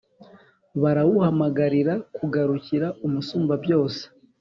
barawuhamagarira kugarukira Umusumbabyose,